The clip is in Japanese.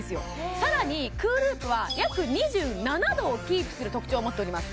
さらにへえＣＯＯＬＯＯＰは約２７度をキープする特徴を持っております